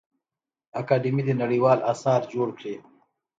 اکاډمي دي نړیوال اثار جوړ کړي.